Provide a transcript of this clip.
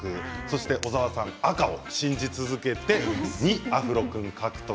小沢さん、赤を信じ続けて２アフロ君獲得。